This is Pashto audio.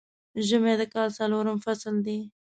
ژمی د کال څلورم فصل دی